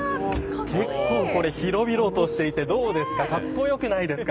結構広々としていて、どうですかかっこよくないですか。